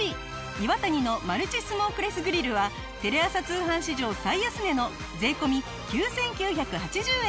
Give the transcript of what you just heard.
イワタニのマルチスモークレスグリルはテレ朝通販史上最安値の税込９９８０円！